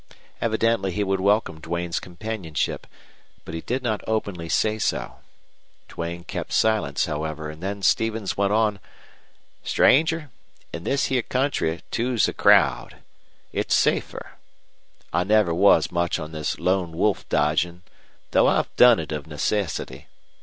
Evidently he would welcome Duane's companionship, but he did not openly say so. Duane kept silence, however, and then Stevens went on. "Stranger, in this here country two's a crowd. It's safer. I never was much on this lone wolf dodgin', though I've done it of necessity.